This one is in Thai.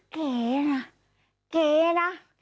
เก๋นะเก๋นะ